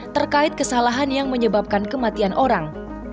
terkait kesalahan yang menyebabkan kematian orang